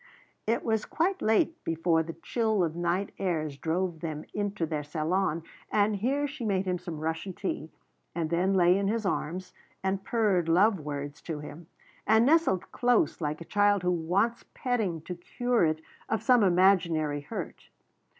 It was quite late before the chill of night airs drove them into their salon, and here she made him some Russian tea, and then lay in his arms, and purred love words to him, and nestled close like a child who wants petting to cure it of some imaginary hurt.